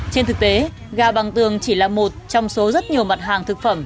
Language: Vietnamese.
trên thực tế gà bằng tường chỉ là một trong số rất nhiều mặt hàng thực phẩm